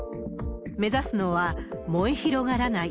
目指すのは、燃え広がらない・